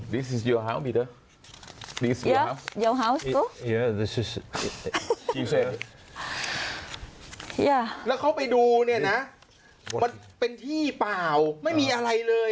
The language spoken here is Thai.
แล้วเขาไปดูเนี่ยนะมันเป็นที่เปล่าไม่มีอะไรเลย